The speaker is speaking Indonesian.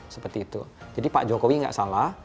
seperti itu jadi pak jokowi nggak salah